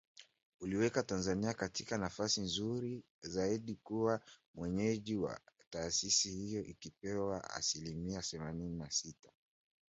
uliiweka Tanzania katika nafasi nzuri zaidi kuwa mwenyeji wa taasisi hiyo ikipewa asilimia themanini na sita.